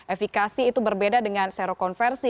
efekasi itu berbeda dengan serokonversi